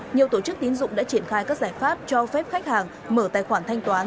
nhiều tổ chức tín dụng đã triển khai các giải pháp cho phép khách hàng mở tài khoản thanh toán